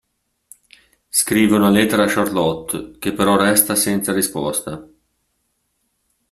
Scrive una lettera a Charlotte, che però resta senza risposta.